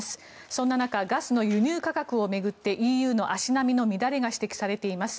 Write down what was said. そんな中ガスの輸入価格を巡ってＥＵの足並みの乱れが指摘されています。